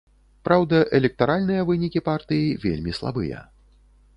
Праўда, электаральныя вынікі партыі вельмі слабыя.